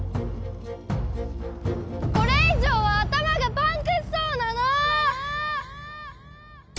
これ以上は頭がパンクしそうなの！